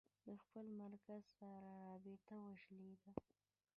د خپل مرکز سره رابطه وشلېده.